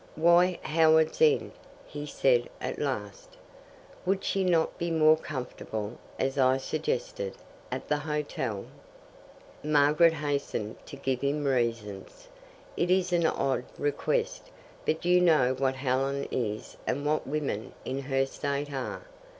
"Why Howards End?" he said at last. "Would she not be more comfortable, as I suggested, at the hotel?" Margaret hastened to give him reasons. "It is an odd request, but you know what Helen is and what women in her state are."